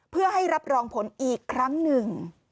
เพื่อให้รับรองผลอีกครั้งหนึ่ง